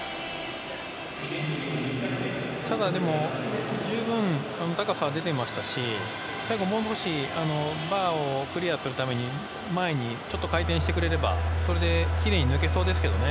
ただ十分、高さは出ていましたし最後、もう少しバーをクリアするために前にちょっと回転してくれればきれいに抜けそうですけどね。